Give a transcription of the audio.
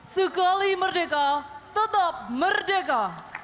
sekali merdeka tetap merdeka